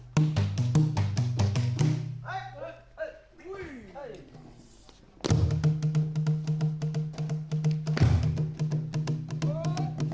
m ultrasound dia samalah